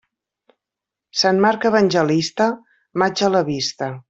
Sant Marc evangelista, maig a la vista.